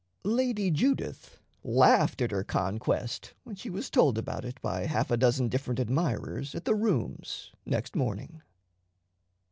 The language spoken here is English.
Lady Judith laughed at her conquest when she was told about it by half a dozen different admirers at the Rooms next morning.